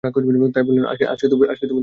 তাই বললেনঃ আজকে তোমাদের ব্যাপার কী?